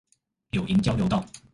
柳營交流道